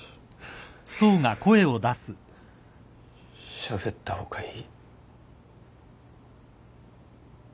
しゃべった方がいい？